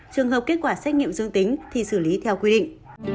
trường hợp kết quả xét nghiệm dương tính thì xử lý theo quy định